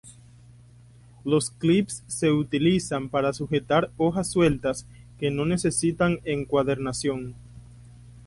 Los clips se utilizan para sujetar hojas sueltas que no necesitan encuadernación.